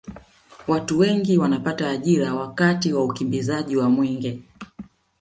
watu wengi wanapata ajira wakati wa ukimbizaji wa mwenge